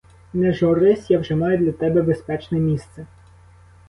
Не журись, я вже маю для тебе безпечне місце.